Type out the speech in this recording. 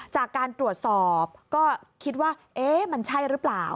จากการตรวจสอบก็คิดว่าเอ๊ะมันใช่หรือเปล่า